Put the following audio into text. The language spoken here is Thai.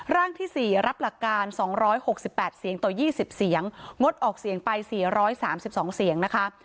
ร่างที่๔รับหลักการ๒๖๘เสียงต่อ๒๐เสียงงดออกเสียงไป๔๓๒เสียงนะคะ